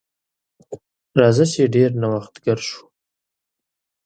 راځه چې ډیر نوښتګر شو.